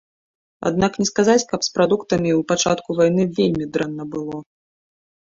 Аднак не сказаць, каб з прадуктамі ў пачатку вайны вельмі дрэнна было.